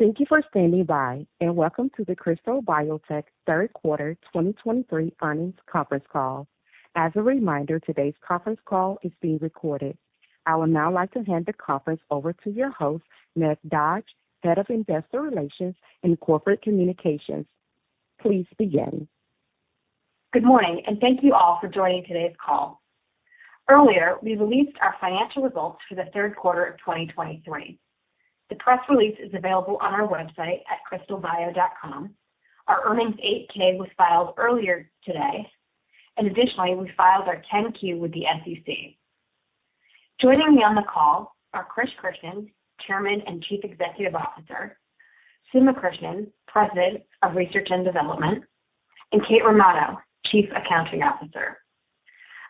Thank you for standing by, and welcome to the Krystal Biotech third quarter 2023 earnings conference call. As a reminder, today's conference call is being recorded. I would now like to hand the conference over to your host, Meg Dodge, Head of Investor Relations and Corporate Communications. Please begin. Good morning, and thank you all for joining today's call. Earlier, we released our financial results for the third quarter of 2023. The press release is available on our website at krystalbio.com. Our earnings 8-K was filed earlier today, and additionally, we filed our 10-Q with the SEC. Joining me on the call are Krish Krishnan, Chairman and Chief Executive Officer, Suma Krishnan, President of Research and Development, and Kate Romano, Chief Accounting Officer.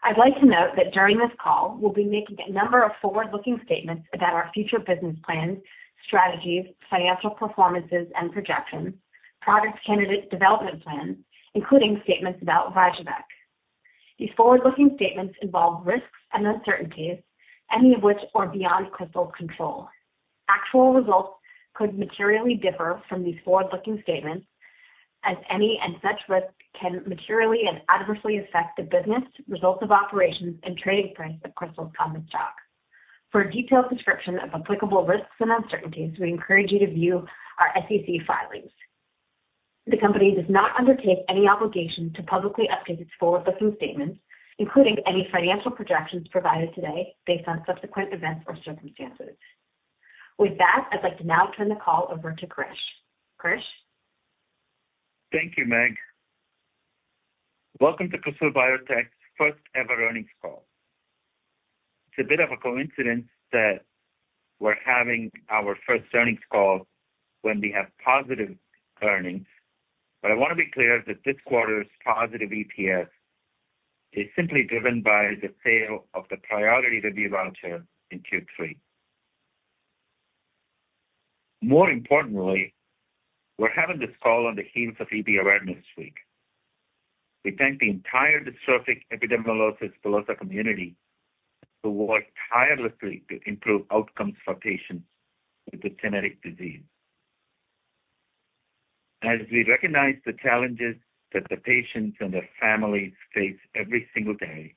I'd like to note that during this call, we'll be making a number of forward-looking statements about our future business plans, strategies, financial performances, and projections, product candidate development plans, including statements about VYJUVEK. These forward-looking statements involve risks and uncertainties, any of which are beyond Krystal's control. Actual results could materially differ from these forward-looking statements as any such risks can materially and adversely affect the business, results of operations, and trading price of Krystal's common stock. For a detailed description of applicable risks and uncertainties, we encourage you to view our SEC filings. The company does not undertake any obligation to publicly update its forward-looking statements, including any financial projections provided today based on subsequent events or circumstances. With that, I'd like to now turn the call over to Krish. Krish? Thank you, Meg. Welcome to Krystal Biotech's first-ever earnings call. It's a bit of a coincidence that we're having our first earnings call when we have positive earnings, but I want to be clear that this quarter's positive EPS is simply driven by the sale of the priority review voucher in Q3. More importantly, we're having this call on the heels of EB Awareness Week. We thank the entire Dystrophic Epidermolysis Bullosa community, who work tirelessly to improve outcomes for patients with this genetic disease. As we recognize the challenges that the patients and their families face every single day,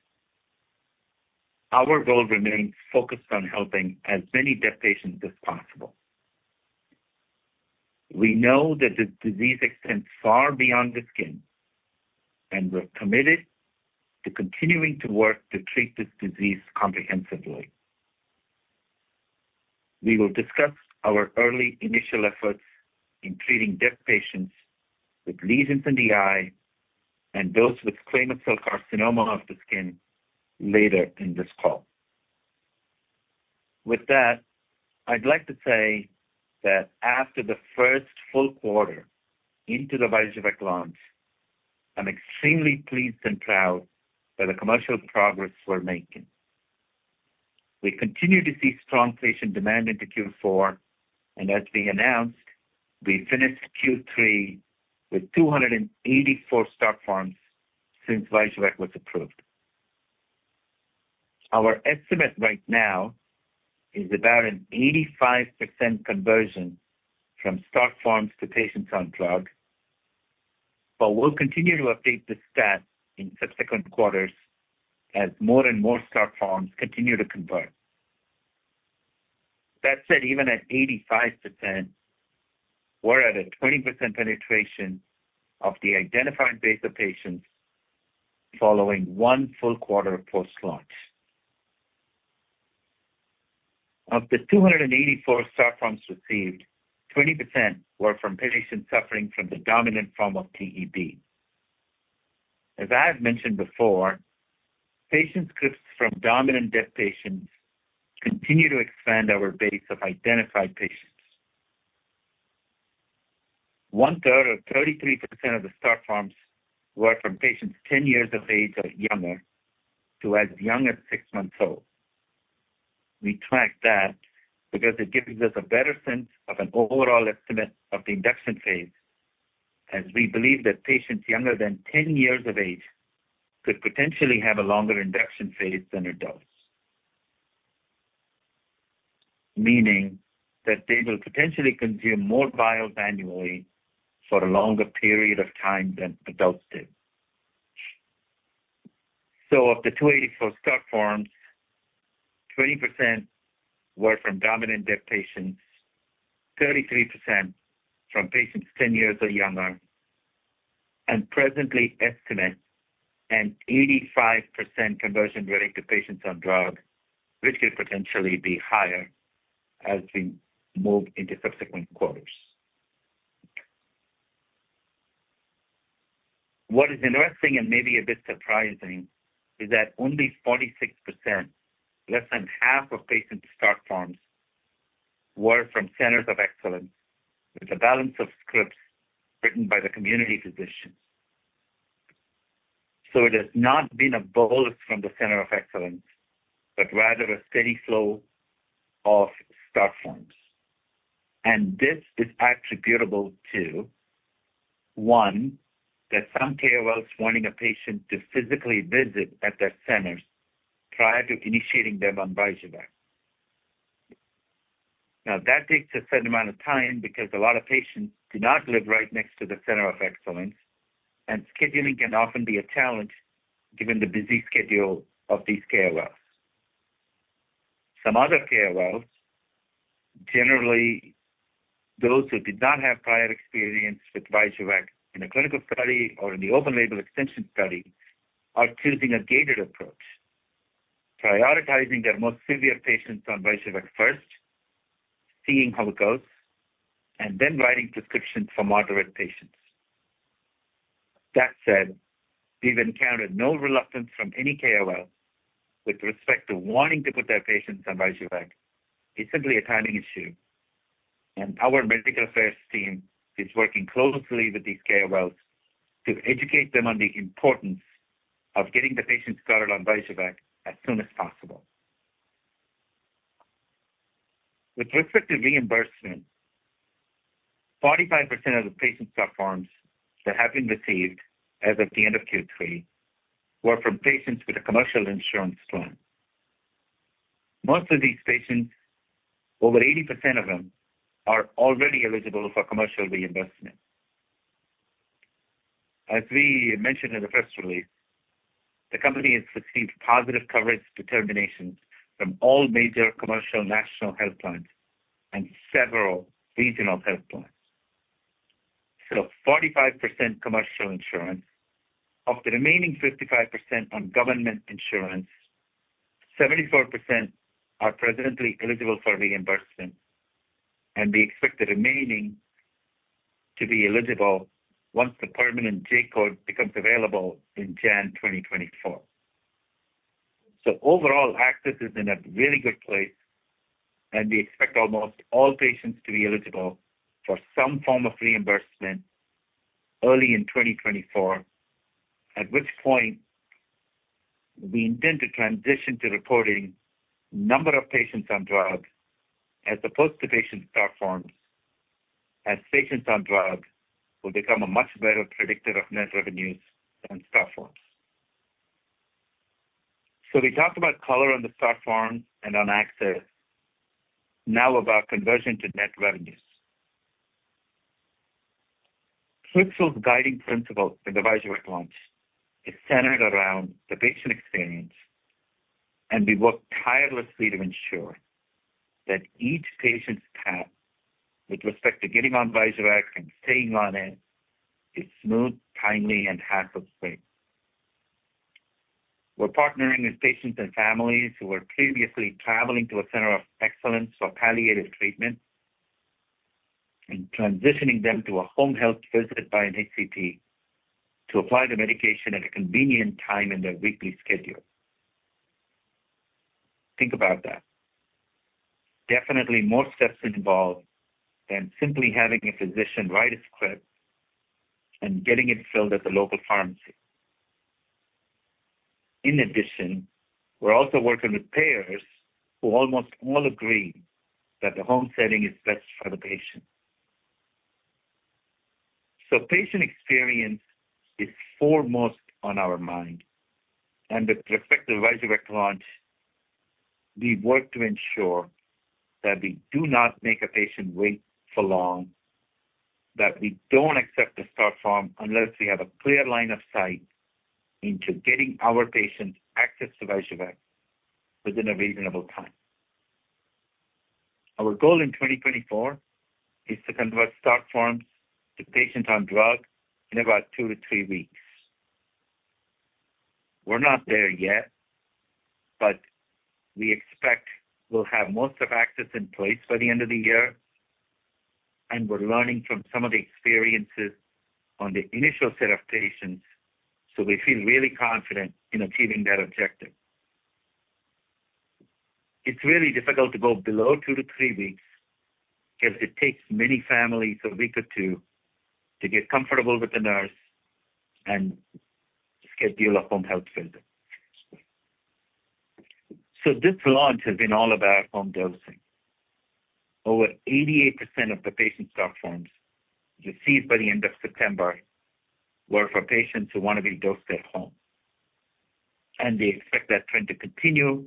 our goal remains focused on helping as many DEB patients as possible. We know that this disease extends far beyond the skin, and we're committed to continuing to work to treat this disease comprehensively. We will discuss our early initial efforts in treating DEB patients with lesions in the eye and those with squamous cell carcinoma of the skin later in this call. With that, I'd like to say that after the first full quarter into the VYJUVEK launch, I'm extremely pleased and proud by the commercial progress we're making. We continue to see strong patient demand into Q4, and as we announced, we finished Q3 with 284 start forms since VYJUVEK was approved. Our estimate right now is about an 85% conversion from start forms to patients on drug, but we'll continue to update this stat in subsequent quarters as more and more start forms continue to convert. That said, even at 85%, we're at a 20% penetration of the identified base of patients following one full quarter post-launch. Of the 284 start forms received, 20% were from patients suffering from the dominant form of DEB. As I have mentioned before, prescriptions from dominant DEB patients continue to expand our base of identified patients. 1/3 or 33% of the start forms were from patients 10 years of age or younger, to as young as six months old. We tracked that because it gives us a better sense of an overall estimate of the induction phase, as we believe that patients younger than 10 years of age could potentially have a longer induction phase than adults, meaning that they will potentially consume more vials annually for a longer period of time than adults did. So of the 284 start forms, 20% were from dominant DEB patients, 33% from patients 10 years or younger, and presently estimate an 85% conversion rate to patients on drug, which could potentially be higher as we move into subsequent quarters. What is interesting and maybe a bit surprising is that only 46%, less than half of patient start forms, were from centers of excellence, with the balance of scripts written by the community physicians. So it has not been a bolus from the center of excellence, but rather a steady flow of start forms, and this is attributable to, one, that some KOLs wanting a patient to physically visit at their centers prior to initiating them on VYJUVEK. Now, that takes a certain amount of time because a lot of patients do not live right next to the center of excellence, and scheduling can often be a challenge given the busy schedule of these KOLs. Some other KOLs, generally, those who did not have prior experience with VYJUVEK back in a clinical study or in the open-label extension study, are choosing a gated approach, prioritizing their most severe patients on VYJUVEK first, seeing how it goes, and then writing prescriptions for moderate patients. That said, we've encountered no reluctance from any KOL with respect to wanting to put their patients on VYJUVEK. It's simply a timing issue, and our medical affairs team is working closely with these KOLs to educate them on the importance of getting the patients started on VYJUVEK as soon as possible. With respect to reimbursement, 45% of the patient start forms that have been received as of the end of Q3 were from patients with a commercial insurance plan. Most of these patients, over 80% of them, are already eligible for commercial reimbursement. As we mentioned in the first release, the company has received positive coverage determinations from all major commercial national health plans and several regional health plans. So 45% commercial insurance. Of the remaining 55% on government insurance, 74% are presently eligible for reimbursement, and we expect the remaining to be eligible once the permanent J-code becomes available in January 2024. So overall, access is in a really good place, and we expect almost all patients to be eligible for some form of reimbursement early in 2024, at which point we intend to transition to reporting number of patients on drug as opposed to patient start forms, as patients on drug will become a much better predictor of net revenues than start forms. So we talked about color on the start form and on access. Now, about conversion to net revenues. Krystal's guiding principle in the VYJUVEK launch is centered around the patient experience, and we work tirelessly to ensure that each patient's path with respect to getting on VYJUVEK and staying on it is smooth, timely, and hassle-free. We're partnering with patients and families who were previously traveling to a center of excellence for palliative treatment and transitioning them to a home health visit by an HCP to apply the medication at a convenient time in their weekly schedule. Think about that. Definitely more steps involved than simply having a physician write a script and getting it filled at the local pharmacy. In addition, we're also working with payers who almost all agree that the home setting is best for the patient. Patient experience is foremost on our mind, and with respect to VYJUVEK launch, we work to ensure that we do not make a patient wait for long, that we don't accept the start form unless we have a clear line of sight into getting our patients access to VYJUVEK within a reasonable time. Our goal in 2024 is to convert start forms to patients on drug in about two to three weeks. We're not there yet, but we expect we'll have most of access in place by the end of the year, and we're learning from some of the experiences on the initial set of patients, so we feel really confident in achieving that objective. It's really difficult to go below two to three weeks because it takes many families a week or two to get comfortable with the nurse and schedule a home health visit. So this launch has been all about home dosing. Over 88% of the patient start forms received by the end of September were for patients who want to be dosed at home, and they expect that trend to continue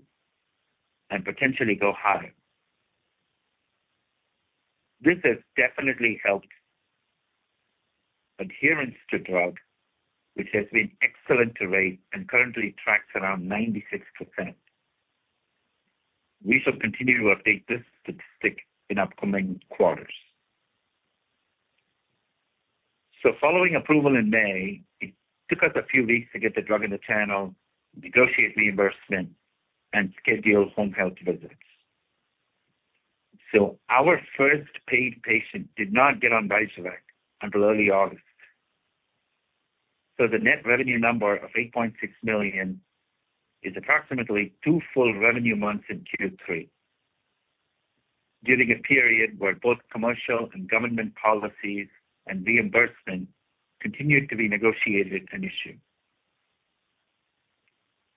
and potentially go higher. This has definitely helped adherence to drug, which has been excellent to date and currently tracks around 96%. We shall continue to update this statistic in upcoming quarters. So following approval in May, it took us a few weeks to get the drug in the channel, negotiate reimbursement, and schedule home health visits. So our first paid patient did not get on VYJUVEK until early August. So the net revenue number of $8.6 million is approximately two full revenue months in Q3, during a period where both commercial and government policies and reimbursement continued to be negotiated and issued.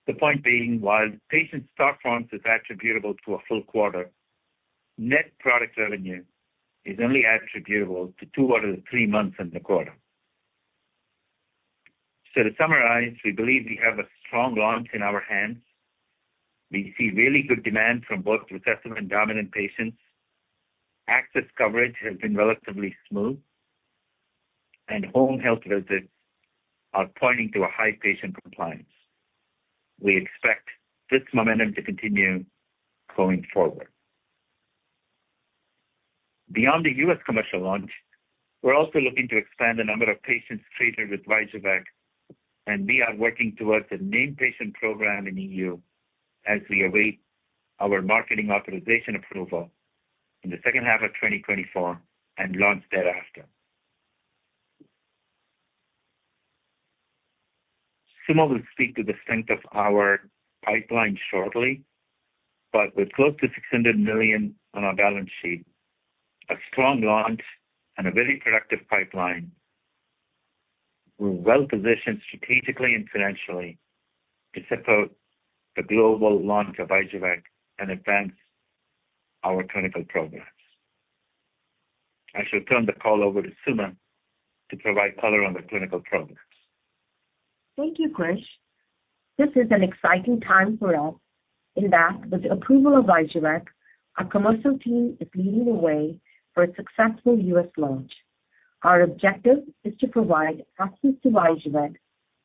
The point being, while patient start form is attributable to a full quarter, net product revenue is only attributable to two out of the three months in the quarter. So to summarize, we believe we have a strong launch in our hands. We see really good demand from both recessive and dominant patients. Access coverage has been relatively smooth, and home health visits are pointing to a high patient compliance. We expect this momentum to continue going forward. Beyond the U.S. commercial launch, we're also looking to expand the number of patients treated with VYJUVEK, and we are working towards a named patient program in EU as we await our marketing authorization approval in the second half of 2024 and launch thereafter. Suma will speak to the strength of our pipeline shortly, but with close to $600 million on our balance sheet, a strong launch, and a very productive pipeline, we're well-positioned strategically and financially to support the global launch of VYJUVEK and advance our clinical programs. I shall turn the call over to Suma to provide color on the clinical programs. Thank you, Krish. This is an exciting time for us. In fact, with the approval of VYJUVEK, our commercial team is leading the way for a successful U.S. launch. Our objective is to provide access to VYJUVEK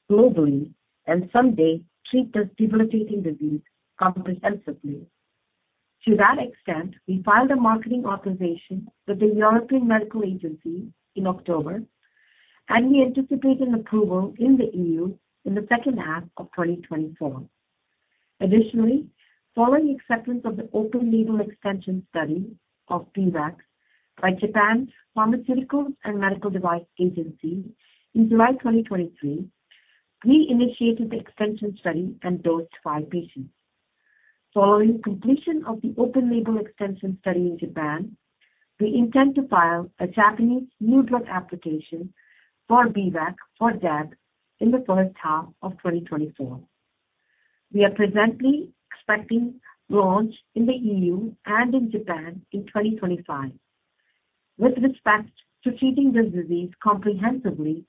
globally and someday treat this debilitating disease comprehensively. To that extent, we filed a marketing authorization with the European Medicines Agency in October, and we anticipate an approval in the EU in the second half of 2024. Additionally, following the acceptance of the open-label extension study of B-VEC by Japan's Pharmaceuticals and Medical Devices Agency in July 2023, we initiated the extension study and dosed five patients. Following completion of the open-label extension study in Japan, we intend to file a Japanese new drug application for B-VEC for DEB in the first half of 2024. We are presently expecting launch in the EU and in Japan in 2025. With respect to treating this disease comprehensively,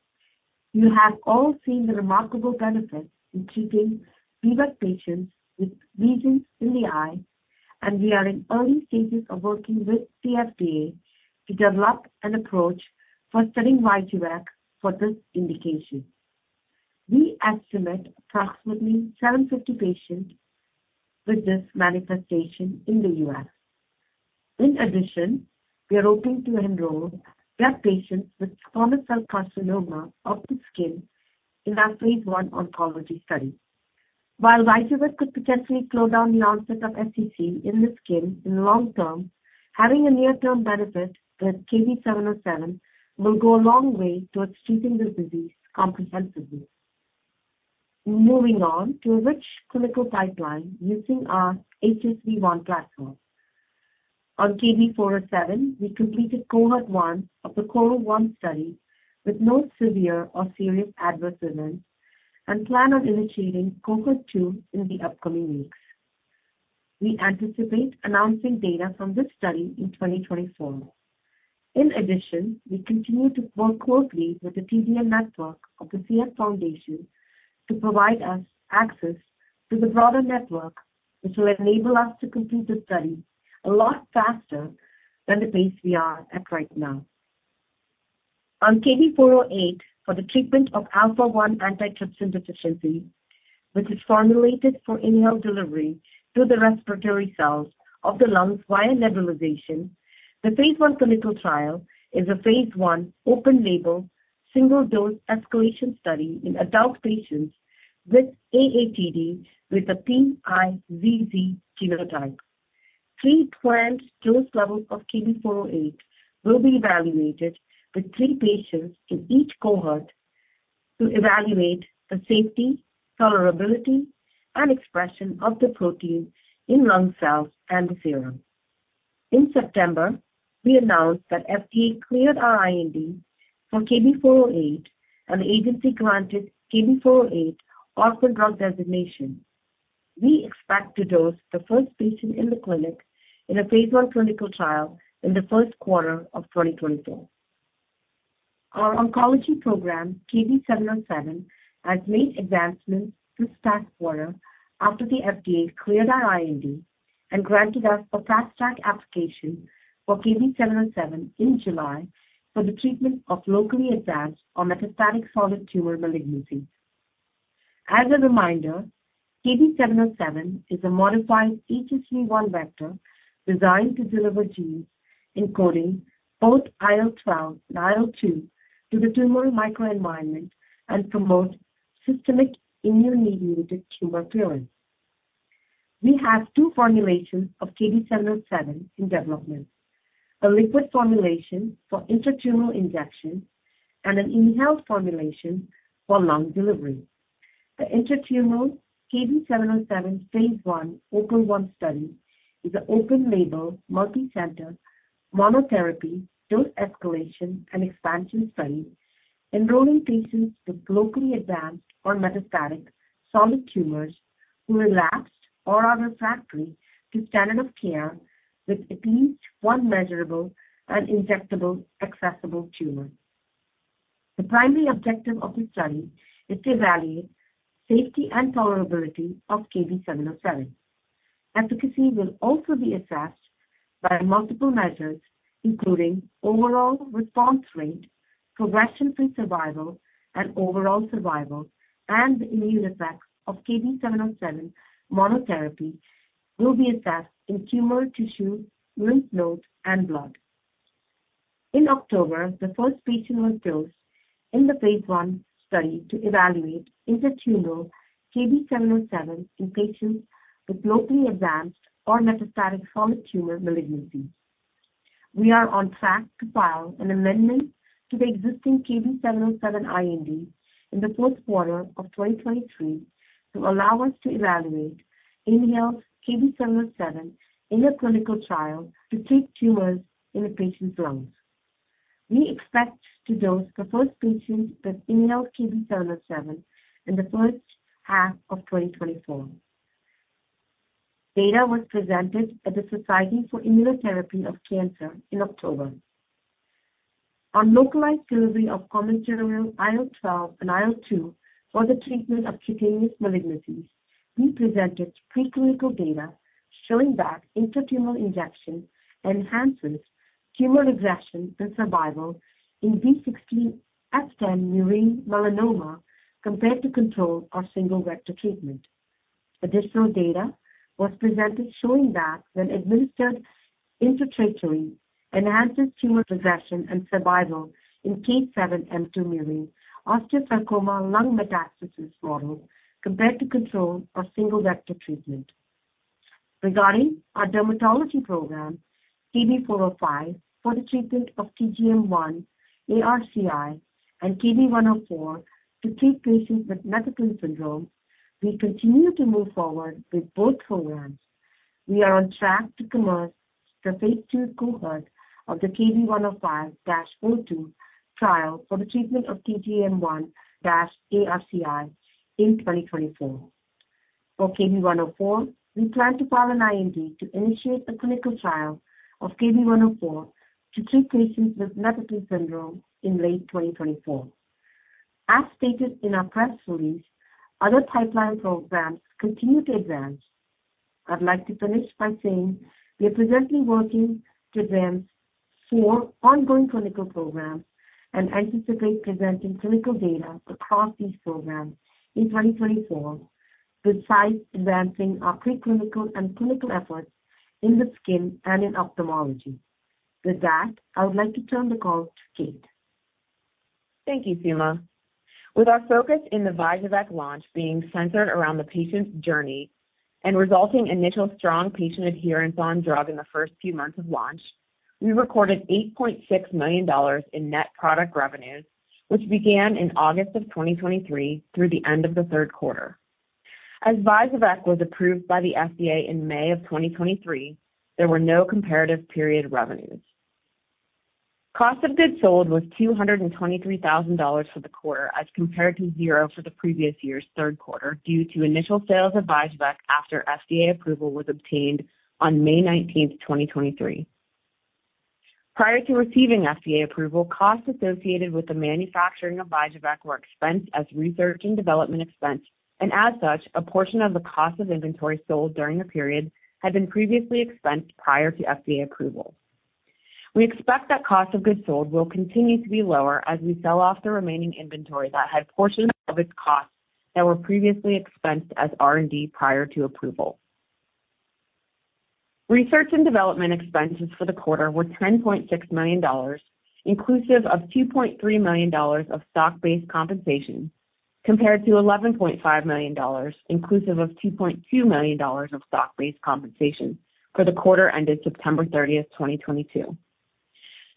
you have all seen the remarkable benefits in treating DEB patients with lesions in the eye, and we are in early stages of working with the FDA to develop an approach for studying VYJUVEK for this indication. We estimate approximately 750 patients with this manifestation in the U.S. In addition, we are hoping to enroll DEB patients with squamous cell carcinoma of the skin in our phase I oncology study. While VYJUVEK could potentially slow down the onset of SCC in the skin in the long term, having a near-term benefit with KB707 will go a long way towards treating the disease comprehensively. Moving on to a rich clinical pipeline using our HSV-1 platform. On KB407, we completed Cohort 1 of the CORAL-1 study with no severe or serious adverse events and plan on initiating Cohort 2 in the upcoming weeks. We anticipate announcing data from this study in 2024. In addition, we continue to work closely with the TDN network of the CF Foundation to provide us access to the broader network, which will enable us to complete the study a lot faster than the pace we are at right now. On KB408 for the treatment of alpha-1 antitrypsin deficiency, which is formulated for inhaled delivery to the respiratory cells of the lungs via nebulization, the phase I clinical trial is a phase I open-label, single-dose escalation study in adult patients with AATD with a PI*ZZ genotype. Three planned dose levels of KB408 will be evaluated with three patients in each cohort to evaluate the safety, tolerability, and expression of the protein in lung cells and the serum. In September, we announced that FDA cleared our IND for KB408, and the agency granted KB408 orphan drug designation. We expect to dose the first patient in the clinic in a phase I clinical trial in the first quarter of 2024. Our oncology program, KB707, has made advancements this past quarter after the FDA cleared our IND and granted us a Fast Track application for KB707 in July for the treatment of locally advanced or metastatic solid tumor malignancies. As a reminder, KB707 is a modified HSV-1 vector designed to deliver genes encoding both IL-12 and IL-2 to the tumor microenvironment and promote systemic immune-mediated tumor clearance. We have two formulations of KB707 in development: a liquid formulation for intratumoral injection and an inhaled formulation for lung delivery. The intratumoral KB707 phase I study is an open-label, multicenter, monotherapy, dose escalation, and expansion study enrolling patients with locally advanced or metastatic solid tumors who relapsed or are refractory to standard of care, with at least one measurable and injectable accessible tumor. The primary objective of the study is to evaluate safety and tolerability of KB707. Efficacy will also be assessed by multiple measures, including overall response rate, progression-free survival, and overall survival, and the immune effects of KB707 monotherapy will be assessed in tumor tissue, lymph nodes, and blood. In October, the first patient was dosed in the phase I study to evaluate intratumoral KB707 in patients with locally advanced or metastatic solid tumor malignancy. We are on track to file an amendment to the existing KB707 IND in the first quarter of 2023 to allow us to evaluate inhaled KB707 in a clinical trial to treat tumors in a patient's lungs. We expect to dose the first patient with inhaled KB707 in the first half of 2024. Data was presented at the Society for Immunotherapy of Cancer in October. On localized delivery of common gene IL-12 and IL-2 for the treatment of cutaneous malignancies, we presented preclinical data showing that intratumoral injection enhances tumor regression and survival in B16F10 murine melanoma compared to control or single vector treatment. Additional data was presented showing that when administered intratracheally, enhances tumor regression and survival in K7M2 murine osteosarcoma lung metastasis model compared to control or single vector treatment. Regarding our dermatology program, KB105 for the treatment of TGM1-ARCI and KB104 to treat patients with Netherton syndrome, we continue to move forward with both programs. We are on track to commence the phase II cohort of the KB105-02 trial for the treatment of TGM1-ARCI in 2024. For KB104, we plan to file an IND to initiate a clinical trial of KB104 to treat patients with Netherton syndrome in late 2024. As stated in our press release, other pipeline programs continue to advance. I'd like to finish by saying we are presently working to advance four ongoing clinical programs and anticipate presenting clinical data across these programs in 2024, besides advancing our preclinical and clinical efforts in the skin and in ophthalmology. With that, I would like to turn the call to Kate. Thank you, Suma. With our focus in the VYJUVEK launch being centered around the patient's journey and resulting initial strong patient adherence on drug in the first few months of launch, we recorded $8.6 million in net product revenues, which began in August 2023 through the end of the third quarter. As VYJUVEK was approved by the FDA in May 2023, there were no comparative period revenues. Cost of goods sold was $223,000 for the quarter, as compared to zero for the previous year's third quarter, due to initial sales of VYJUVEK after FDA approval was obtained on May 19, 2023. Prior to receiving FDA approval, costs associated with the manufacturing of VYJUVEK were expensed as research and development expense, and as such, a portion of the cost of inventory sold during the period had been previously expensed prior to FDA approval. We expect that cost of goods sold will continue to be lower as we sell off the remaining inventory that had portions of its costs that were previously expensed as R&D prior to approval. Research and development expenses for the quarter were $10.6 million, inclusive of $2.3 million of stock-based compensation, compared to $11.5 million, inclusive of $2.2 million of stock-based compensation for the quarter ended September 30th, 2022.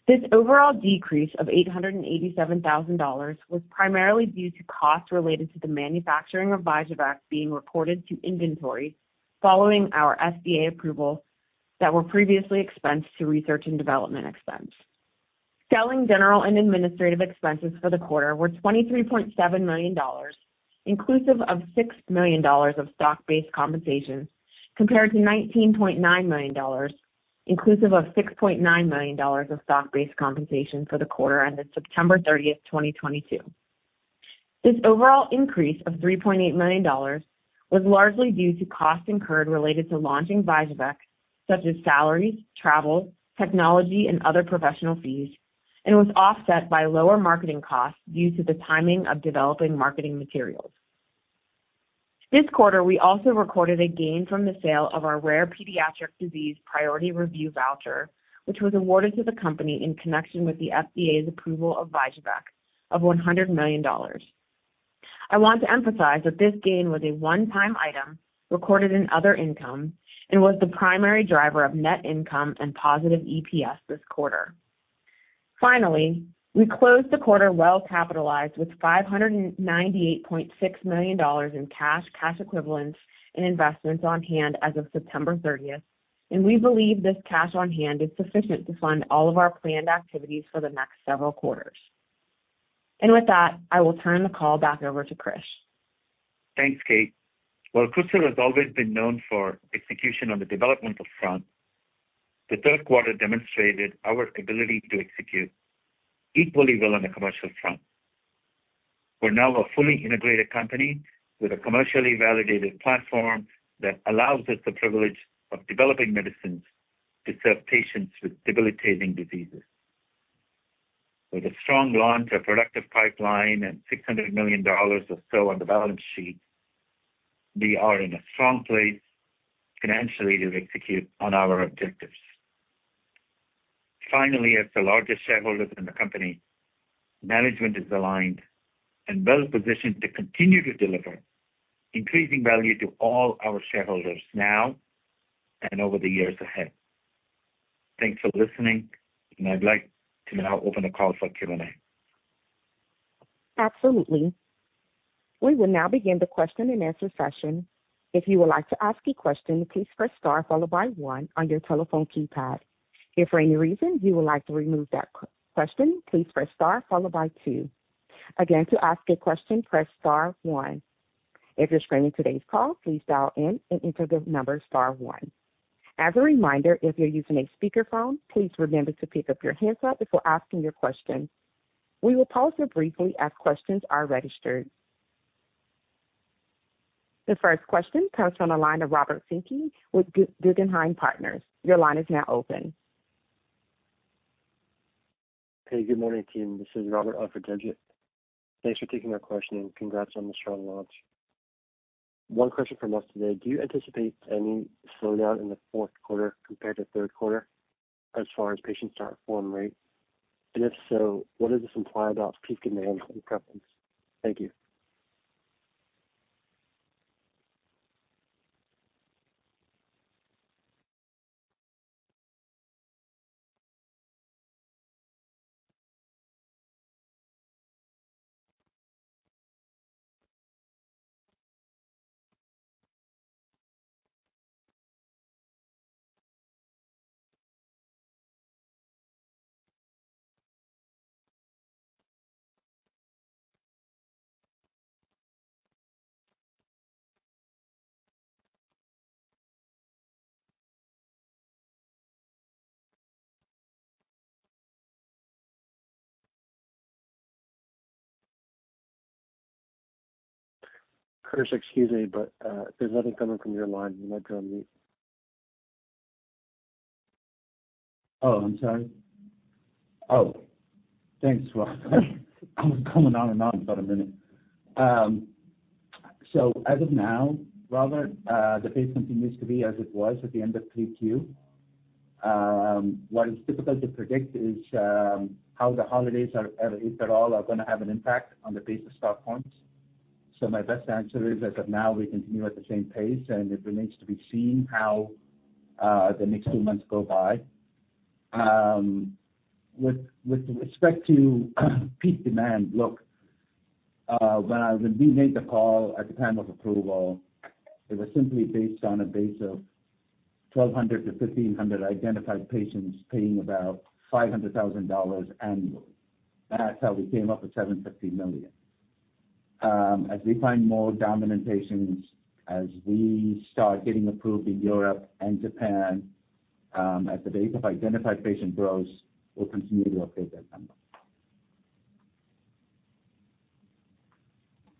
This overall decrease of $887,000 was primarily due to costs related to the manufacturing of VYJUVEK being recorded to inventory following our FDA approval, that were previously expensed to research and development expense. Selling, general, and administrative expenses for the quarter were $23.7 million, inclusive of $6 million of stock-based compensation, compared to $19.9 million, inclusive of $6.9 million of stock-based compensation for the quarter ended September 30th, 2022. This overall increase of $3.8 million was largely due to costs incurred related to launching VYJUVEK, such as salaries, travel, technology, and other professional fees, and was offset by lower marketing costs due to the timing of developing marketing materials. This quarter, we also recorded a gain from the sale of our rare pediatric disease priority review voucher, which was awarded to the company in connection with the FDA's approval of VYJUVEK of $100 million. I want to emphasize that this gain was a one-time item recorded in other income and was the primary driver of net income and positive EPS this quarter. Finally, we closed the quarter well-capitalized with $598.6 million in cash, cash equivalents, and investments on hand as of September 30th, and we believe this cash on hand is sufficient to fund all of our planned activities for the next several quarters. And with that, I will turn the call back over to Krish. Thanks, Kate. While Krystal has always been known for execution on the developmental front, the third quarter demonstrated our ability to execute equally well on the commercial front. We're now a fully integrated company with a commercially validated platform that allows us the privilege of developing medicines to serve patients with debilitating diseases. With a strong launch, a productive pipeline, and $600 million or so on the balance sheet, we are in a strong place financially to execute on our objectives. Finally, as the largest shareholder in the company, management is aligned and well positioned to continue to deliver increasing value to all our shareholders now and over the years ahead. Thanks for listening, and I'd like to now open the call for Q&A. Absolutely. We will now begin the question-and-answer session. If you would like to ask a question, please press star followed by one on your telephone keypad. If for any reason you would like to remove that question, please press star followed by two. Again, to ask a question, press star one. If you're screening today's call, please dial in and enter the number star one. As a reminder, if you're using a speakerphone, please remember to pick up your handset before asking your question. We will pause here briefly as questions are registered. The first question comes from the line of Robert Finke with Guggenheim Partners. Your line is now open. Hey, good morning, team. This is Robert Finke. Thanks for taking our question, and congrats on the strong launch. One question from us today: Do you anticipate any slowdown in the fourth quarter compared to third quarter as far as patient start form rate? And if so, what does this imply about peak demand and preference? Thank you. Krish, excuse me, but there's nothing coming from your line. You might be on mute. Oh, I'm sorry? Oh, thanks, Robert. I was coming on and on about a minute. So as of now, Robert, the pace continues to be as it was at the end of 3Q. What is difficult to predict is, how the holidays are, if at all, are gonna have an impact on the pace of start forms. So my best answer is, as of now, we continue at the same pace, and it remains to be seen how, the next two months go by. With respect to peak demand, look, when we made the call at the time of approval, it was simply based on a base of 1,200-1,500 identified patients paying about $500,000 annually. That's how we came up with $750 million. As we find more dominant patients, as we start getting approved in Europe and Japan, as the base of identified patient grows, we'll continue to update that number.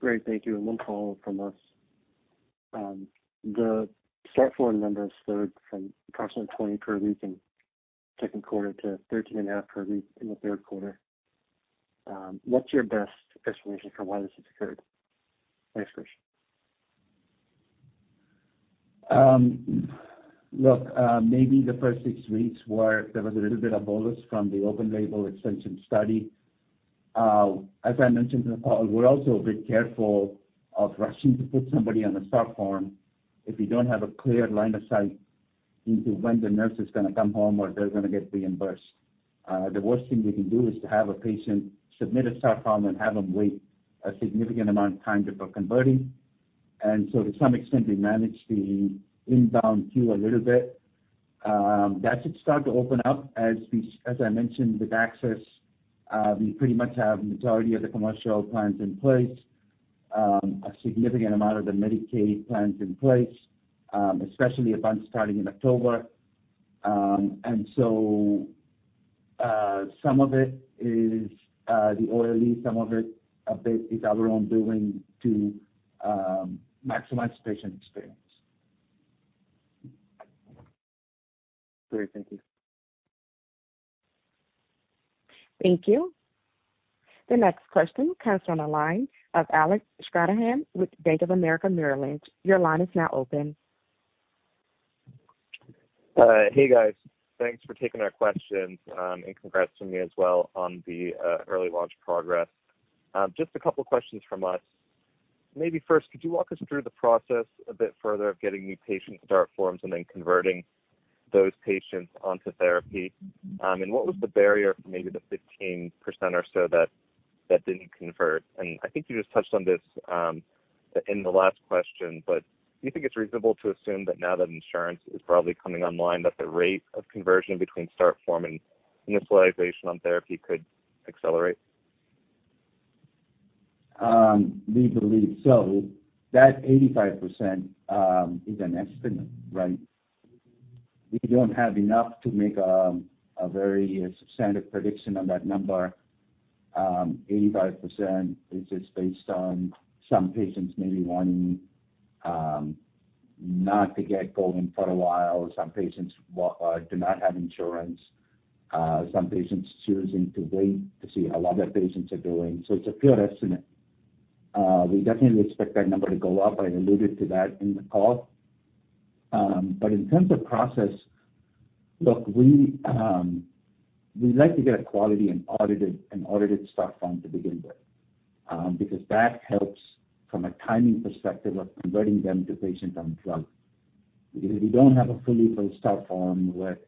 Great, thank you. One follow from us. The start form numbers turned from approximately 20 per week in second quarter to 13.5 per week in the third quarter. What's your best explanation for why this has occurred? Thanks, Krish. Look, maybe the first six weeks were, there was a little bit of bolus from the open-label extension study. As I mentioned in the call, we're also a bit careful of rushing to put somebody on a start form if we don't have a clear line of sight into when the nurse is gonna come home, or they're gonna get reimbursed. The worst thing we can do is to have a patient submit a start form and have them wait a significant amount of time before converting. And so to some extent, we manage the inbound queue a little bit. That should start to open up as we, as I mentioned, with access, we pretty much have majority of the commercial plans in place. A significant amount of the Medicaid plans in place, especially a bunch starting in October. So, some of it is our own doing to maximize patient experience. Great. Thank you. Thank you. The next question comes from the line of Alec Stranahan with Bank of America Merrill Lynch. Your line is now open. Hey, guys. Thanks for taking our questions, and congrats to me as well on the early launch progress. Just a couple questions from us. Maybe first, could you walk us through the process a bit further of getting new patients start forms and then converting those patients onto therapy? And what was the barrier for maybe the 15% or so that didn't convert, and I think you just touched on this in the last question, but do you think it's reasonable to assume that now that insurance is probably coming online, that the rate of conversion between start form and initialization on therapy could accelerate? We believe so. That 85% is an estimate, right? We don't have enough to make a very substantive prediction on that number. 85% is just based on some patients maybe wanting not to get going for a while, some patients do not have insurance, some patients choosing to wait to see how other patients are doing, so it's a pure estimate. We definitely expect that number to go up, I alluded to that in the call. But in terms of process, look, we like to get a quality and audited start form to begin with, because that helps from a timing perspective of converting them to patients on the drug. Because if you don't have a fully filled start form with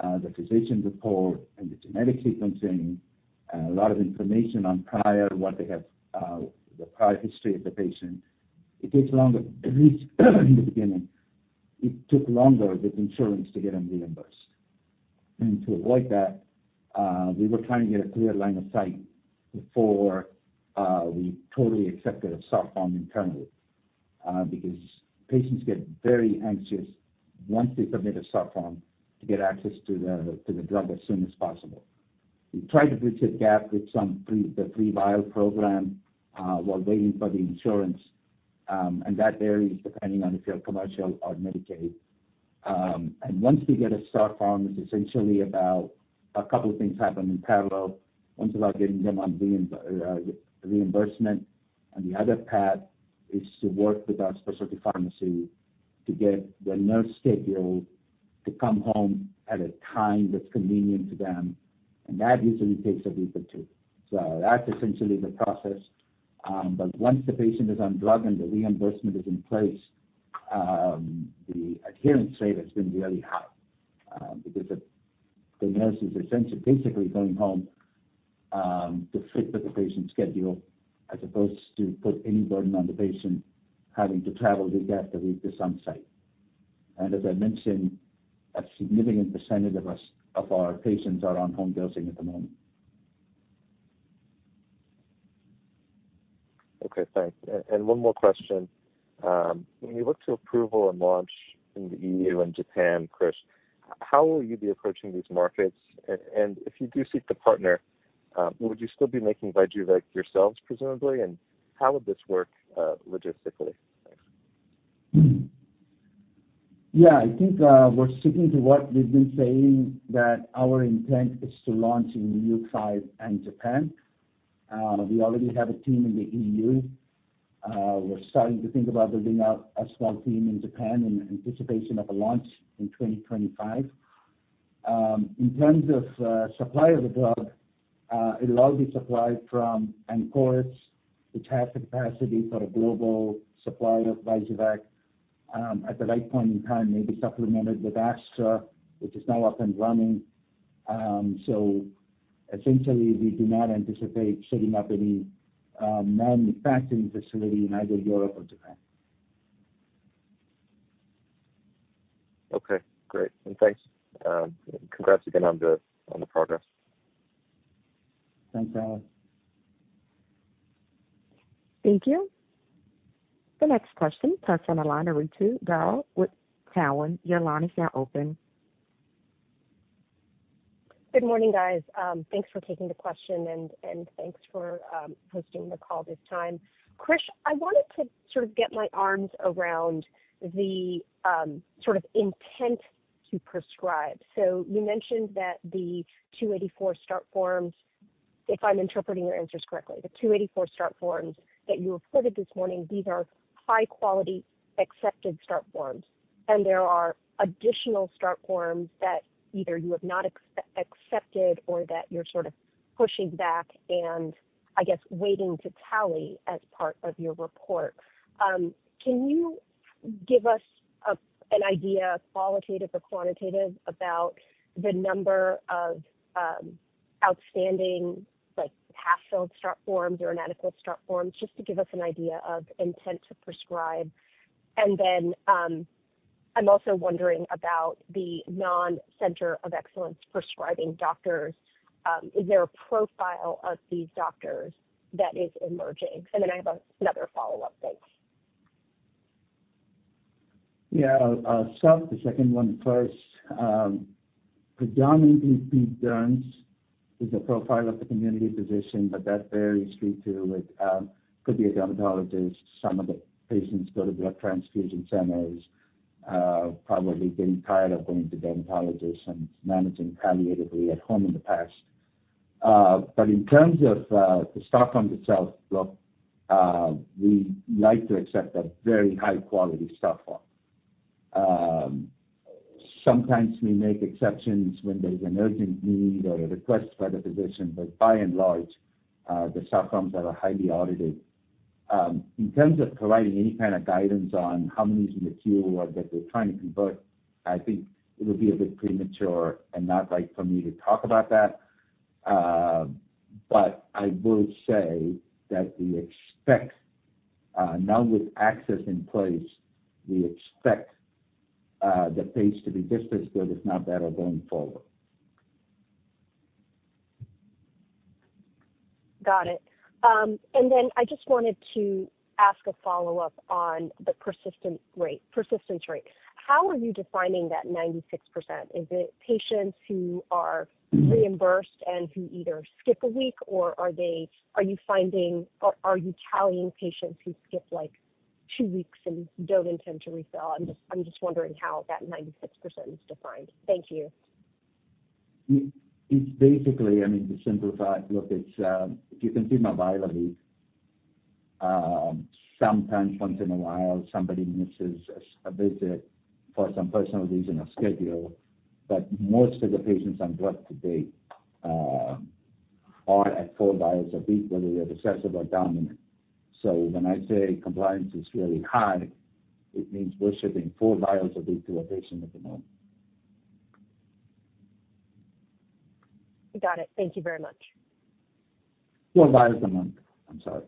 the physician report and the genetic sequencing, a lot of information on prior what they have, the prior history of the patient, it takes longer, at least in the beginning, it took longer with insurance to get them reimbursed. And to avoid that, we were trying to get a clear line of sight before we totally accepted a start form internally, because patients get very anxious once they submit a start form to get access to the, to the drug as soon as possible. We tried to bridge the gap with some free, the free vial program while waiting for the insurance, and that varies depending on if you're commercial or Medicaid. And once we get a start form, it's essentially about a couple of things happen in parallel. One's about getting them on reimbursement, and the other path is to work with our specialty pharmacy to get the nurse scheduled to come home at a time that's convenient to them, and that usually takes a week or two. So that's essentially the process. But once the patient is on drug and the reimbursement is in place, the adherence rate has been really high, because the nurse is essentially basically going home to fit with the patient's schedule, as opposed to put any burden on the patient having to travel three times a week to some site. And as I mentioned, a significant percentage of our patients are on home dosing at the moment. Okay, thanks. And one more question. When you look to approval and launch in the EU and Japan, Krish, how will you be approaching these markets? And if you do seek to partner, would you still be making VYJUVEK yourselves, presumably, and how would this work, logistically? Thanks. Yeah, I think we're sticking to what we've been saying, that our intent is to launch in the EU and Japan. We already have a team in the EU. We're starting to think about building out a small team in Japan in anticipation of a launch in 2025. In terms of supply of the drug, it'll all be supplied from Ancoris, which has the capacity for a global supply of VYJUVEK. At the right point in time, it may be supplemented with Astra, which is now up and running. So essentially, we do not anticipate setting up any manufacturing facility in either Europe or Japan. Okay, great, and thanks. Congrats again on the, on the progress. Thanks, Alec. Thank you. The next question comes from the line of Ritu Baral with Cowen. Your line is now open. Good morning, guys. Thanks for taking the question and thanks for hosting the call this time. Krish, I wanted to sort of get my arms around the sort of intent to prescribe. So you mentioned that the 284 start forms, if I'm interpreting your answers correctly, the 284 start forms that you reported this morning, these are high quality, accepted start forms, and there are additional start forms that either you have not accepted or that you're sort of pushing back and, I guess, waiting to tally as part of your report. Can you give us an idea, qualitative or quantitative, about the number of outstanding, like, half-filled start forms or inadequate start forms, just to give us an idea of intent to prescribe? And then, I'm also wondering about the non-center of excellence prescribing doctors. Is there a profile of these doctors that is emerging? Then I have another follow-up. Thanks. Yeah. I'll start with the second one first. Predominantly, the derms is a profile of the community physician, but that varies too. It could be a dermatologist. Some of the patients go to blood transfusion centers, probably getting tired of going to dermatologists and managing palliatively at home in the past. But in terms of the start forms itself, look, we like to accept a very high-quality start form. Sometimes we make exceptions when there's an urgent need or a request by the physician, but by and large, the start forms are a highly audited, in terms of providing any kind of guidance on how many in the queue or that we're trying to convert, I think it would be a bit premature and not right for me to talk about that. I would say that we expect the pace to be just as good, if not better, going forward. Got it. And then I just wanted to ask a follow-up on the persistent rate, persistence rate. How are you defining that 96%? Is it patients who are reimbursed and who either skip a week, or are they- are you finding- or are you tallying patients who skip, like, two weeks and don't intend to refill? I'm just, I'm just wondering how that 96% is defined. Thank you. It's basically, I mean, to simplify, look, it's if you can see them a vial a week, sometimes once in a while, somebody misses a visit for some personal reason or schedule, but most of the patients on drug to date are at four vials a week, whether they're recessive or dominant. So when I say compliance is really high, it means we're shipping four vials a week to a patient at the moment. Got it. Thank you very much. Four vials a month. I'm sorry.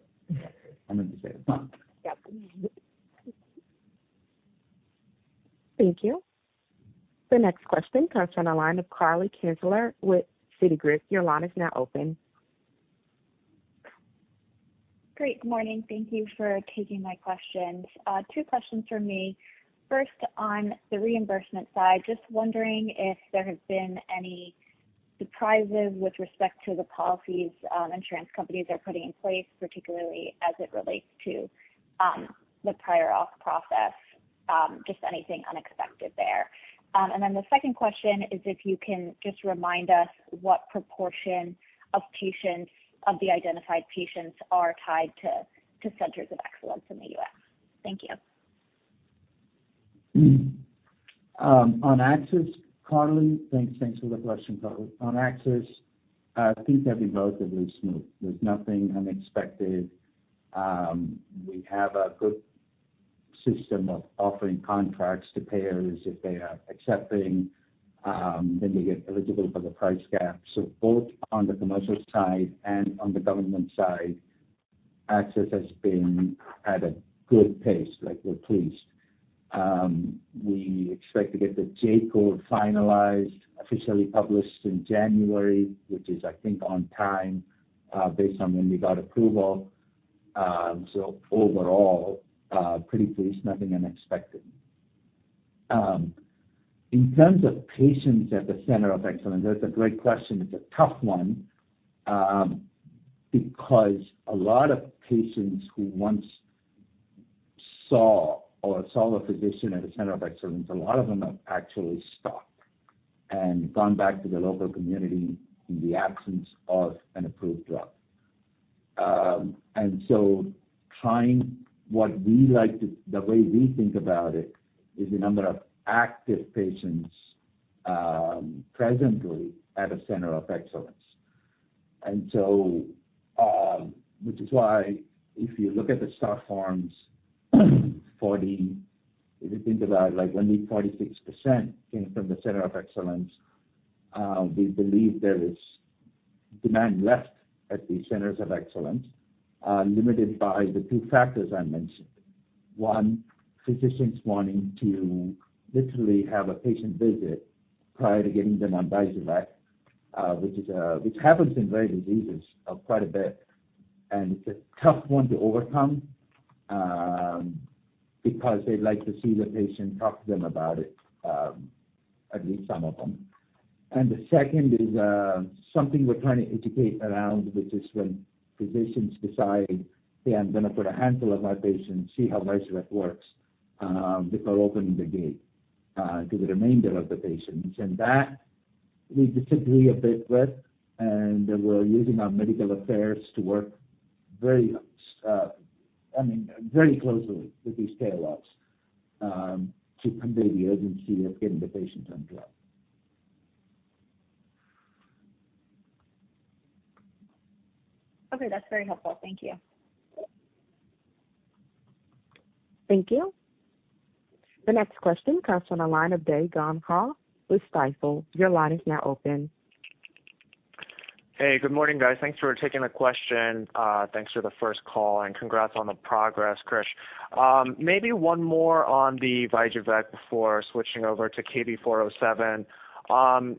I meant to say a month. Yep. Thank you. The next question comes from the line of Carly Kenselaar with Citigroup. Your line is now open. Great, good morning. Thank you for taking my questions. Two questions from me. First, on the reimbursement side, just wondering if there has been any surprises with respect to the policies, insurance companies are putting in place, particularly as it relates to, the prior auth process, just anything unexpected there? And then the second question is if you can just remind us what proportion of patients, of the identified patients are tied to centers of excellence in the U.S. Thank you. On access, Carly, thanks. Thanks for the question, Carly. On access, things have been relatively smooth. There's nothing unexpected. We have a good system of offering contracts to payers if they are accepting, then they get eligible for the price gap. So both on the commercial side and on the government side, access has been at a good pace, like, we're pleased. We expect to get the J-code finalized, officially published in January, which is, I think, on time, based on when we got approval. So overall, pretty pleased, nothing unexpected. In terms of patients at the center of excellence, that's a great question. It's a tough one, because a lot of patients who once saw a physician at a center of excellence, a lot of them have actually stopped and gone back to the local community in the absence of an approved drug. The way we think about it is the number of active patients presently at a center of excellence. And so, which is why if you look at the STAR forms, 40, if you think about it, like, only 46% came from the center of excellence, we believe there is demand left at these centers of excellence, limited by the two factors I mentioned. One, physicians wanting to literally have a patient visit prior to getting them on VYJUVEK, which happens in rare diseases, quite a bit. It's a tough one to overcome, because they'd like to see the patient, talk to them about it, at least some of them. The second is something we're trying to educate around, which is when physicians decide, "Hey, I'm gonna put a handful of my patients, see how VYJUVEK works, before opening the gate to the remainder of the patients." And that we disagree a bit with, and we're using our medical affairs to work very, I mean, very closely with these payers, to convey the urgency of getting the patients on drug. Okay, that's very helpful. Thank you. Thank you. The next question comes from the line of Dae Gon Ha with Stifel. Your line is now open. Hey, good morning, guys. Thanks for taking the question. Thanks for the first call, and congrats on the progress, Krish. Maybe one more on the VYJUVEK before switching over to KB407.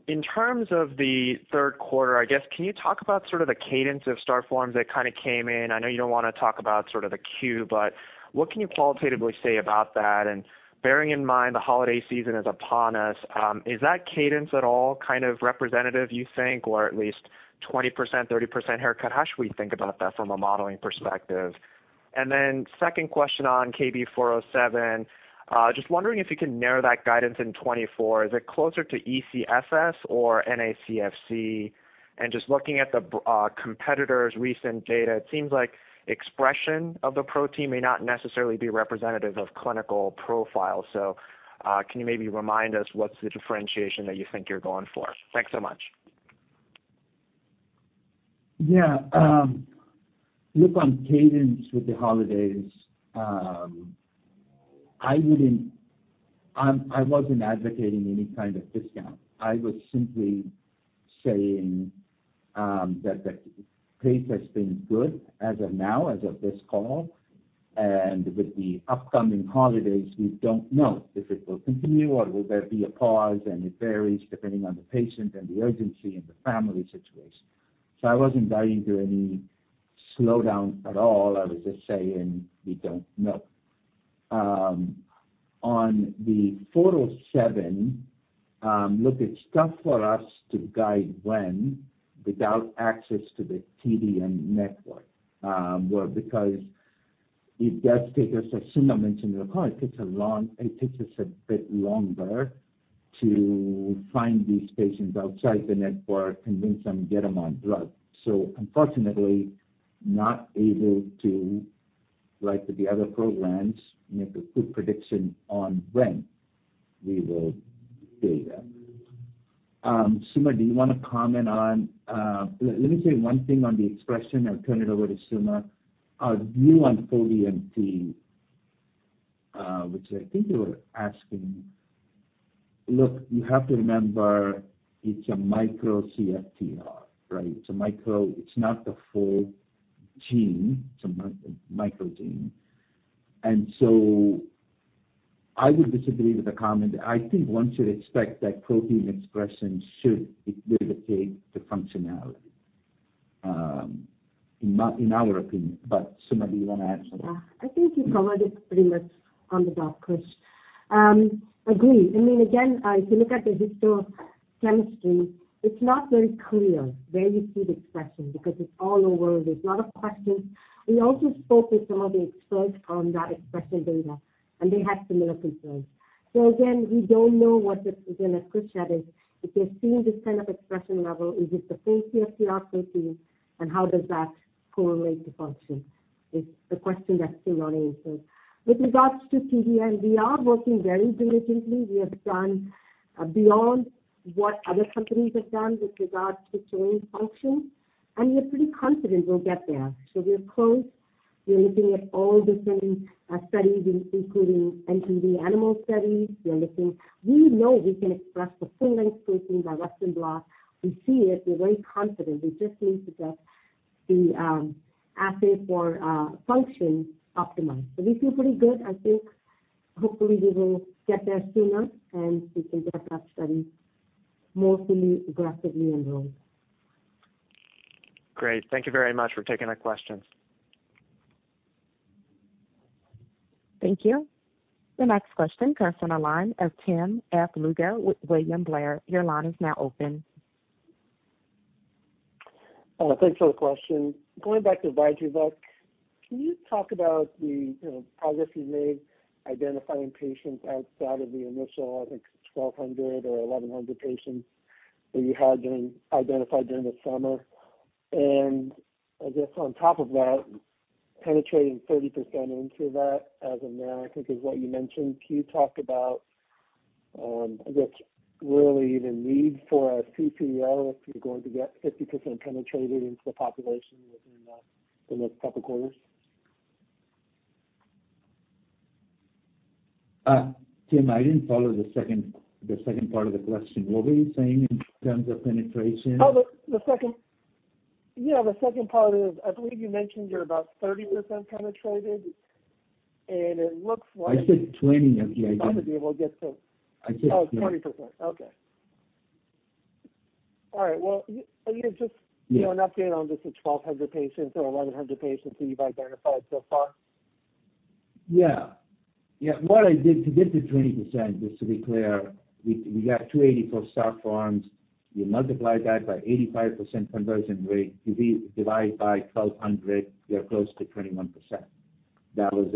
In terms of the third quarter, I guess, can you talk about sort of the cadence of STAR forms that kind of came in? I know you don't want to talk about sort of the Q, but what can you qualitatively say about that? And bearing in mind, the holiday season is upon us, is that cadence at all kind of representative, you think, or at least 20%, 30% haircut? How should we think about that from a modeling perspective? And then second question on KB407. Just wondering if you can narrow that guidance in 2024. Is it closer to ECFS or NACFC? Just looking at the competitors' recent data, it seems like expression of the protein may not necessarily be representative of clinical profile. So, can you maybe remind us what's the differentiation that you think you're going for? Thanks so much. Yeah, look on cadence with the holidays, I wouldn't, I wasn't advocating any kind of discount. I was simply saying that the pace has been good as of now, as of this call, and with the upcoming holidays, we don't know if it will continue or will there be a pause, and it varies depending on the patient and the urgency and the family situation. So I wasn't buying to any slowdown at all. I was just saying we don't know. On the 407, look, it's tough for us to guide when, without access to the TDN network, well, because it does take us, as Suma mentioned in the call, it takes us a bit longer to find these patients outside the network, convince them, get them on drug. So unfortunately, not able to, like with the other programs, make a good prediction on when we will see them. Suma, do you wanna comment on, let me say one thing on the expression, I'll turn it over to Suma. New on 4D MT, which I think you were asking, look, you have to remember, it's a micro CFTR, right? It's a micro, it's not the full gene, it's a micro gene. And so I would disagree with the comment. I think one should expect that protein expression should dictate the functionality, in our opinion. But Suma, do you wanna add something? Yeah. I think you covered it pretty much on the dot, Krish. Agree. I mean, again, if you look at the histochemistry, it's not very clear where you see the expression because it's all over. There's a lot of questions. We also spoke with some of the experts on that expression data, and they had similar concerns. So again, we don't know what the, again, as Krish said, is, if you're seeing this kind of expression level, is it the full CFTR protein? And how does that correlate to function, is the question that's still unanswered. With regards to TDN, we are working very diligently. We have done beyond what other companies have done with regards to gene function, and we're pretty confident we'll get there. So we're close. We're looking at all different studies including TDN animal studies. We are looking... We know we can express the full length protein by Western blot. We see it. We're very confident. We just need to get the assay for function optimized. So we feel pretty good. I think hopefully we will get there sooner, and we can get that study more fully, aggressively enrolled. Great. Thank you very much for taking our questions. Thank you. The next question comes from the line of Tim F. Lugo with William Blair. Your line is now open. Thanks for the question. Going back to VYJUVEK, can you talk about the, you know, progress you've made identifying patients outside of the initial, I think, 1,200 or 1,100 patients that you had identified during the summer? And I guess on top of that, penetrating 30% into that as of now, I think, is what you mentioned. Can you talk about, I guess, really the need for a CPO if you're going to get 50% penetrated into the population within the next couple quarters? Tim, I didn't follow the second part of the question. What were you saying in terms of penetration? Oh, the second, yeah, the second part is, I believe you mentioned you're about 30% penetrated, and it looks like- I said 20%, if I remember. Ought to be able to get to- I said 20%. Oh, 20%. Okay. All right, well, Yeah. -you know, an update on just the 1,200 patients or 1,100 patients that you've identified so far. Yeah. Yeah, what I did to get to 20%, just to be clear, we, we got 280 start forms. You multiply that by 85% conversion rate, you divide by 1,200, we are close to 21%. That was,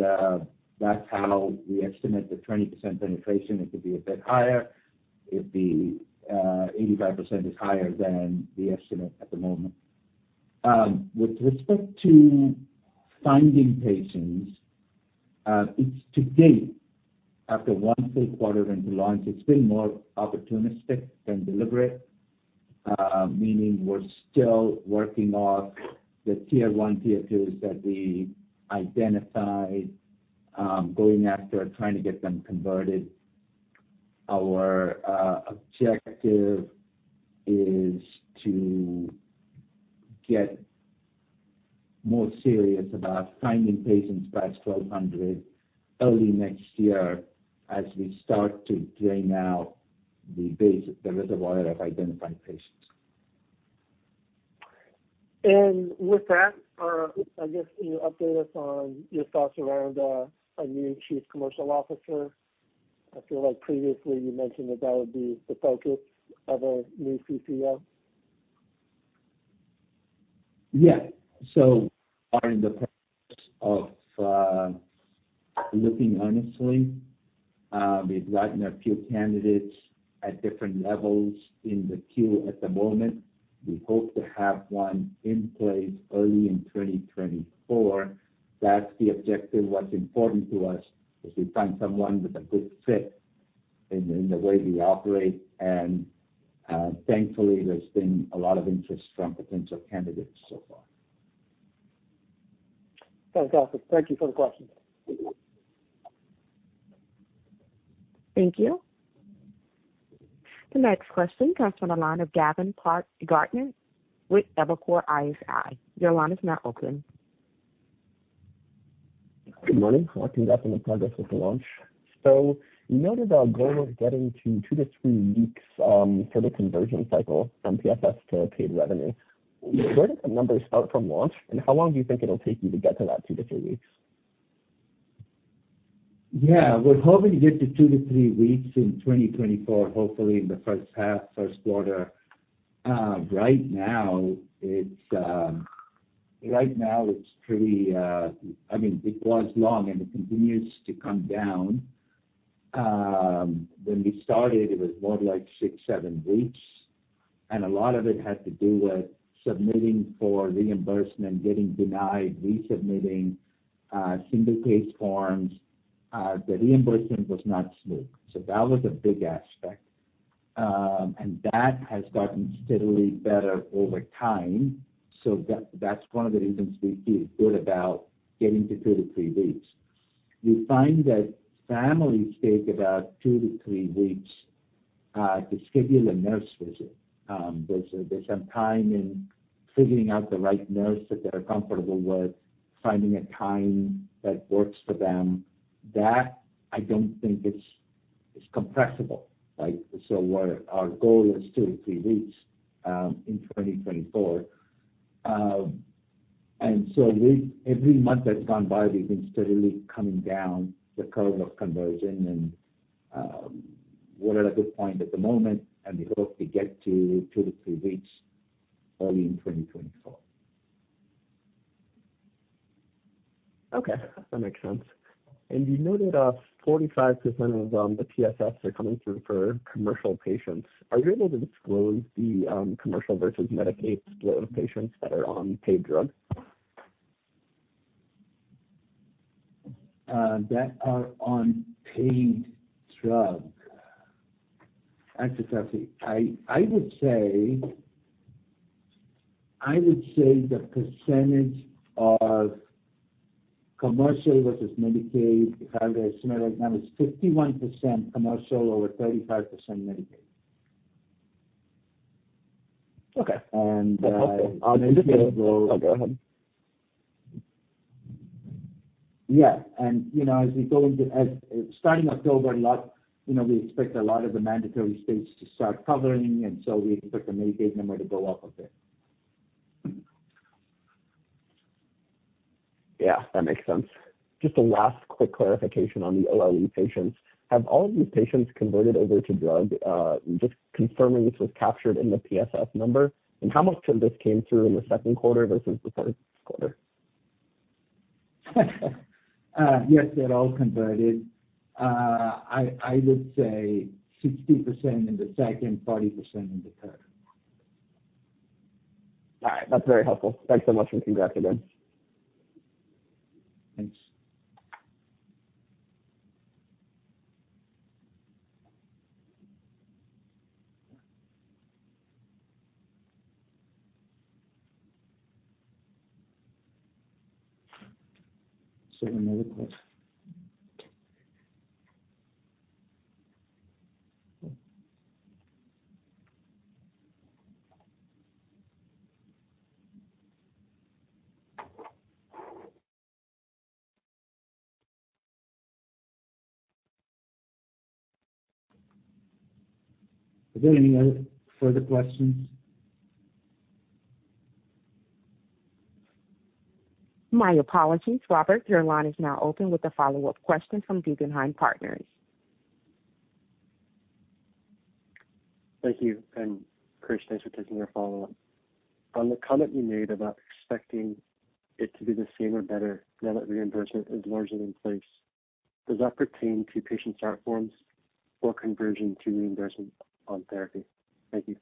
that's how we estimate the 20% penetration. It could be a bit higher if the 85% is higher than the estimate at the moment. With respect to finding patients, it's to date, after one full quarter into launch, it's been more opportunistic than deliberate. Meaning we're still working off the tier one, tier twos that we identified, going after, trying to get them converted. Our objective is to get more serious about finding patients past 1,200 early next year, as we start to drain out the base, the reservoir of identified patients. And with that, I guess, can you update us on your thoughts around a new chief commercial officer? I feel like previously you mentioned that would be the focus of a new CCO. Yeah. So are in the process of looking earnestly. We've gotten a few candidates at different levels in the queue at the moment. We hope to have one in place early in 2024. That's the objective. What's important to us is we find someone with a good fit in the way we operate, and thankfully, there's been a lot of interest from potential candidates so far. Fantastic. Thank you for the question. Thank you. The next question comes from the line of Gavin Clark-Gartner with Evercore ISI. Your line is now open. Good morning. Congrats on the progress with the launch. So you noted a goal of getting to two to three weeks for the conversion cycle from PFS to paid revenue. Where do the numbers start from launch, and how long do you think it'll take you to get to that two to three weeks? Yeah, we're hoping to get to two to three weeks in 2024, hopefully in the first half, first quarter. Right now, it's pretty, I mean, it was long, and it continues to come down. When we started, it was more like 6-7 weeks, and a lot of it had to do with submitting for reimbursement, getting denied, resubmitting, single case forms. The reimbursement was not smooth, so that was a big aspect. And that has gotten steadily better over time, so that's one of the reasons we feel good about getting to two to three weeks. We find that families take about two to three weeks to schedule a nurse visit. There's some time in figuring out the right nurse that they're comfortable with, finding a time that works for them. That I don't think it's compressible, right? So what our goal is two to three weeks in 2024. And so every month that's gone by, we've been steadily coming down the curve of conversion and, we're at a good point at the moment, and we hope to get to two to three weeks early in 2024. Okay, that makes sense. And you noted that 45% of the PSFs are coming through for commercial patients. Are you able to disclose the commercial versus Medicaid split of patients that are on paid drug? That are on paid drug? That's interesting. I would say the percentage of commercial versus Medicaid, if I were to estimate right now, is 51% commercial over 35% Medicaid. Okay. Medicaid will- Go ahead. Yeah, and you know, as we go into starting October, a lot, you know, we expect a lot of the mandatory states to start covering, and so we expect the Medicaid number to go up a bit. Yeah, that makes sense. Just a last quick clarification on the OLE patients. Have all of these patients converted over to drug? Just confirming this was captured in the PSF number, and how much of this came through in the second quarter versus the third quarter? Yes, they're all converted. I would say 60% in the second, 40% in the third. All right. That's very helpful. Thanks so much, and congrats again. Thanks. So another question. Are there any other further questions? My apologies, Robert. Your line is now open with a follow-up question from Guggenheim Partners. Thank you, and Krish, thanks for taking your follow-up. On the comment you made about expecting it to be the same or better now that reimbursement is largely in place, does that pertain to patient start forms or conversion to reimbursement on therapy? Thank you.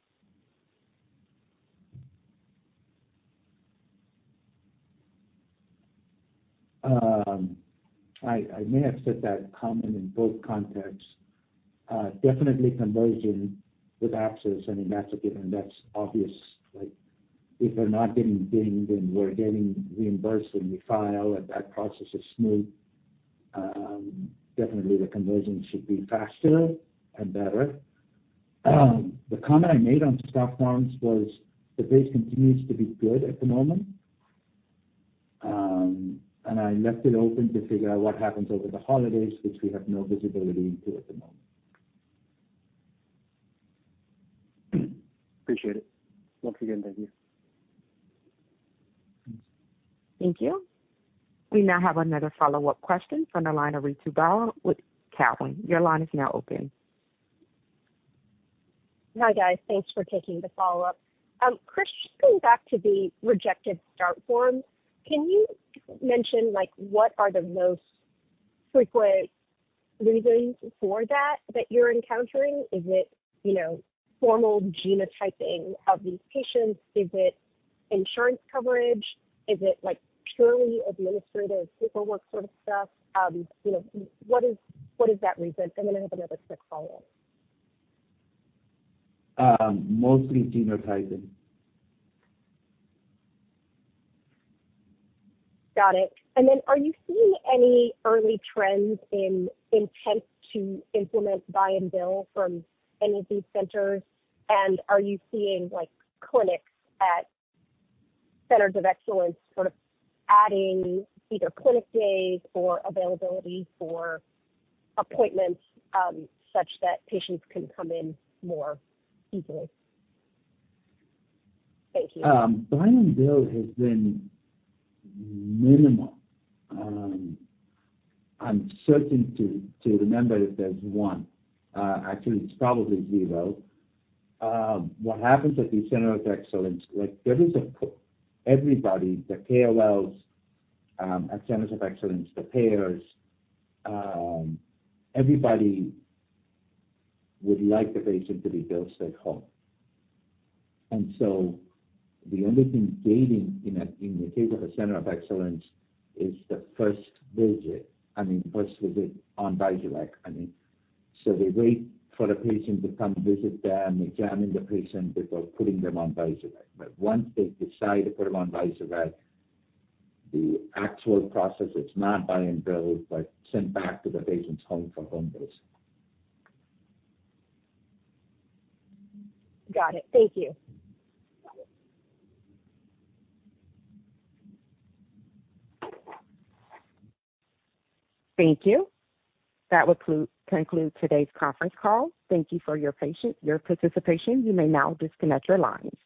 I may have said that comment in both contexts. Definitely conversion with access, I mean, that's a given, that's obvious, like, if we're not getting billed and we're getting reimbursed when we file and that process is smooth, definitely the conversion should be faster and better. The comment I made on start forms was the base continues to be good at the moment, and I left it open to figure out what happens over the holidays, which we have no visibility to at the moment. Appreciate it. Once again, thank you. Thank you. We now have another follow-up question from the line of Ritu Baral with Cowen. Your line is now open. Hi, guys. Thanks for taking the follow-up. Krish, going back to the rejected start forms, can you mention, like, what are the most frequent reasons for that, that you're encountering? Is it, you know, formal genotyping of these patients? Is it insurance coverage? Is it like purely administrative paperwork sort of stuff? You know, what is that reason? And then I have another quick follow-up. Mostly genotyping. Got it. And then are you seeing any early trends in intent to implement buy and bill from any of these centers? And are you seeing, like, clinics at centers of excellence sort of adding either clinic days or availability for appointments, such that patients can come in more easily? Thank you. Buy and bill has been minimal. I'm certain to remember if there's one. Actually, it's probably zero. What happens at the center of excellence, like there is a everybody, the KOLs, at centers of excellence, the payers, everybody would like the patient to be billed stay at home. And so the only thing gaining in the case of a center of excellence is the first visit, I mean, first visit on VYJUVEK, I mean. So they wait for the patient to come visit them, examining the patient before putting them on VYJUVEK. But once they decide to put them on VYJUVEK, the actual process, it's not buy and bill, but sent back to the patient's home for home bill. Got it. Thank you. Thank you. That will conclude today's conference call. Thank you for your patience, your participation. You may now disconnect your lines.